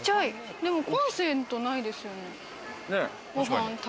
コンセント、ないですよね？